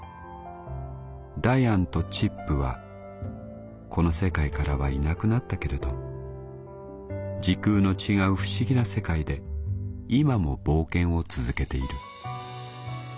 ダヤンとチップはこの世界からはいなくなったけれど時空の違う不思議な世界で今も冒険を続けている。